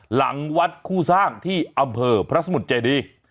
หลังวัดคู่สร้างที่อำเภอพระสมุทรเจดี